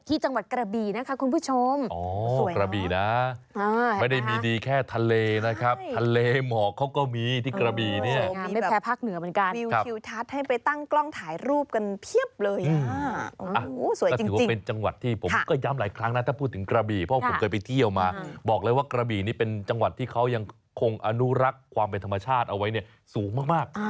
ที่จังหวัดกระบี่นะคะคุณผู้ชม